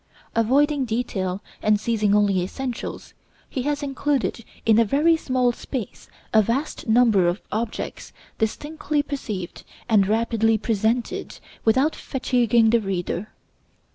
Avoiding detail, and seizing only essentials, he has included in a very small space a vast number of objects distinctly perceived, and rapidly presented, without fatiguing the reader.